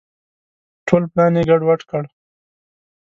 ټول پلان یې ګډ وډ کړ.